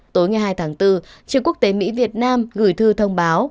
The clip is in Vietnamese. tối ngày hai tháng bốn trường quốc tế mỹ việt nam gửi thư thông báo